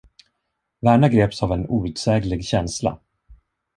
Verna greps av en outsäglig känsla.